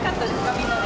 みんなで。